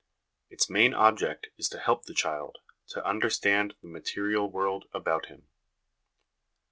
Its main object is to help the child to understand the material world about him.